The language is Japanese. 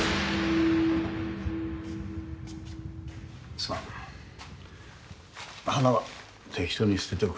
すまん花は適当に捨てておく。